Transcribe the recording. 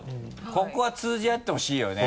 ここは通じ合ってほしいよね。